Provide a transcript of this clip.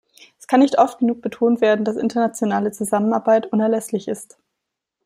Es kann nicht oft genug betont werden, dass internationale Zusammenarbeit unerlässlich ist.